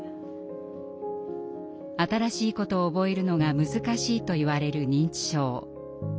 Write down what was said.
新しいことを覚えるのが難しいといわれる認知症。